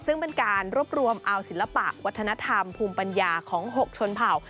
ซึ่งเป็นการรวบรวมเอาศิลปะวัฒนธรรมภูมิปัญญาของ๖ชนเผ่า